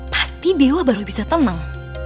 pasti dewa baru bisa tenang